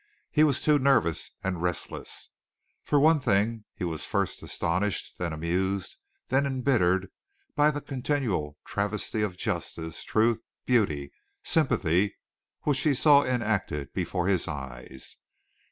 He was too nervous and restless. For one thing he was first astonished, then amused, then embittered by the continual travesty on justice, truth, beauty, sympathy, which he saw enacted before his eyes.